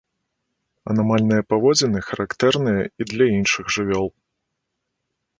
Анамальныя паводзіны характэрныя і для іншых жывёл.